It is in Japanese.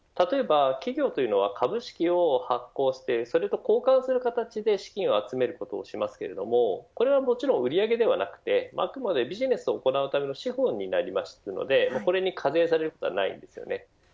例えば企業というのは株式を発行して、それと交換する形で資金を集めることをしますがこれはもちろん売り上げではなくて、あくまでビジネスを行うための資本になるのでこれに課税されることはありません。